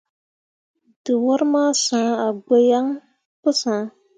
Dǝwor ma sãã gbo yaŋ pu sah.